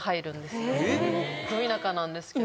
ど田舎なんですけど。